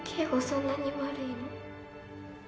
そんなに悪いの？